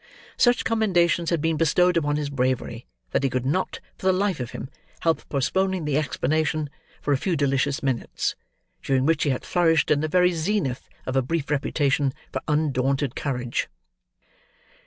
Such commendations had been bestowed upon his bravery, that he could not, for the life of him, help postponing the explanation for a few delicious minutes; during which he had flourished, in the very zenith of a brief reputation for undaunted courage.